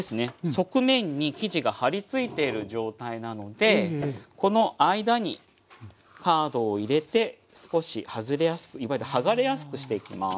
側面に生地が貼りついている状態なのでこの間にカードを入れて少し外れやすくいわゆる剥がれやすくしていきます。